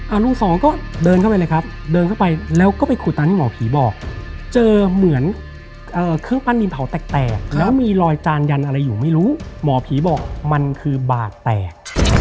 ลุงสองก็เดินเข้าไปเลยครับเดินเข้าไปแล้วก็ไปขุดตามที่หมอผีบอกเจอเหมือนเครื่องปั้นดินเผาแตกแล้วมีรอยจานยันอะไรอยู่ไม่รู้หมอผีบอกมันคือบาดแตก